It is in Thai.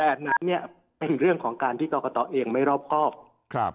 นั้นเนี่ยเป็นเรื่องของการที่กรกตเองไม่รอบครอบครับ